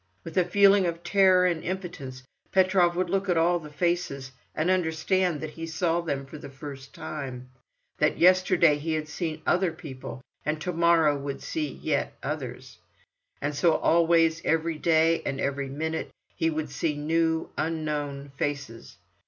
With a feeling of terror and impotence Petrov would look at all the faces, and understand that he saw them for the first time, that yesterday he had seen other people, and to morrow would see yet others; and so always, every day, and every minute, he would see new, unknown faces.